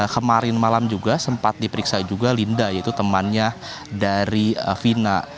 kemarin malam juga sempat diperiksa juga linda yaitu temannya dari vina